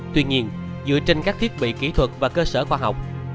tuy nhiên dựa trên các thiết bị kỹ thuật và cơ sở khoa học